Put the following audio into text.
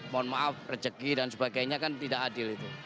mohon maaf rezeki dan sebagainya kan tidak adil itu